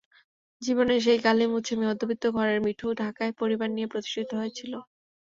জীবনের সেই কালি মুছে মধ্যবিত্ত ঘরের মিঠু ঢাকায় পরিবার নিয়ে প্রতিষ্ঠিত হয়েছিল।